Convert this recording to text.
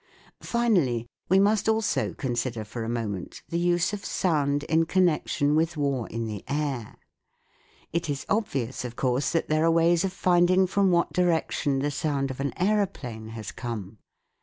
Finally, we must also consider for a moment the use of sound in connection with war in the air. It is obvious, of course, that there are ways of finding from what direction the sound of an aeroplane has :ome.